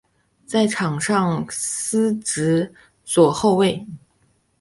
在场上司职左后卫。